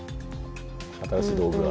新しい道具だ。